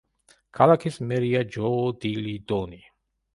ქალაქის მერია ჯო დილი დონი.